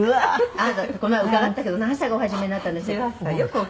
「あなたこの前伺ったけど何歳からお始めになったんでしたっけ？」